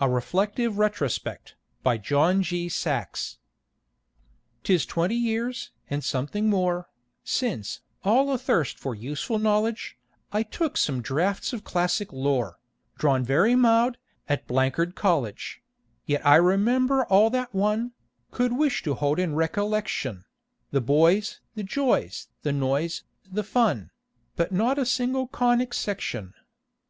A REFLECTIVE RETROSPECT BY JOHN G. SAXE 'Tis twenty years, and something more, Since, all athirst for useful knowledge, I took some draughts of classic lore, Drawn very mild, at rd College; Yet I remember all that one Could wish to hold in recollection; The boys, the joys, the noise, the fun; But not a single Conic Section.